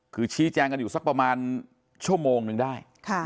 คือชี้แจงกันอยู่สักประมาณชั่วโมงนึงได้